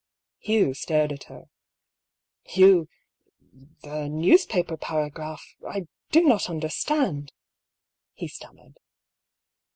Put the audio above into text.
Hugh stared at her. "You — a newspaper paragraph — I do not under stand," he stammered.